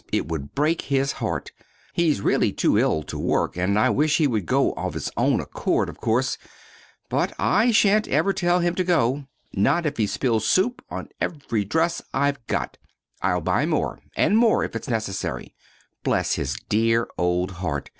It would break his heart. He's really too ill to work, and I wish he would go of his own accord, of course; but I sha'n't ever tell him to go not if he spills soup on every dress I've got. I'll buy more and more, if it's necessary. Bless his dear old heart!